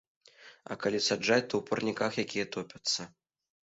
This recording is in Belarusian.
А калі саджаць, то ў парніках, якія топяцца.